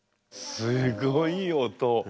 すごい音。